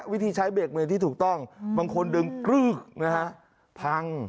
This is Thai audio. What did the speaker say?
วิธีใช้เบรกมือที่ถูกต้องบางคนดึงกรึกนะฮะพัง